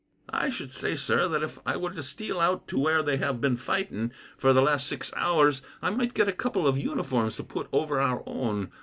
"I should say, sir, that if I were to steal out to where they have been fighting for the last six hours, I might get a couple of uniforms to put over our own.